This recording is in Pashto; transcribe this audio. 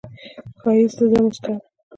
ښایست د زړه موسکا ده